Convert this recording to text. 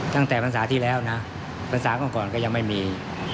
ตั้งแต่ภาษาที่แล้วนะภาษาก่อนก็ยังไม่มี